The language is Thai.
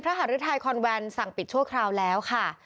พระหรือไทยคอนแวนสั่งปิดช่วงคราวแล้วค่ะ